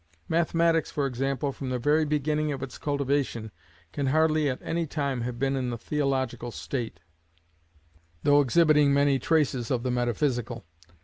Mathematics, for example, from the very beginning of its cultivation, can hardly at any time have been in the theological state, though exhibiting many traces of the metaphysical.